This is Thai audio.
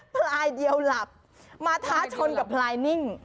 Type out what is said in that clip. พลายเดียวหลับมาท้าชนกับพลายนิ่ง